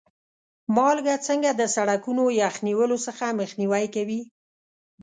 مالګه څنګه د سړکونو یخ نیولو څخه مخنیوی کوي؟